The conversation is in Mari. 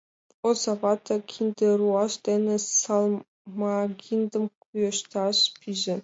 Оза вате кинде руаш дене салмагиндым кӱэшташ пиже.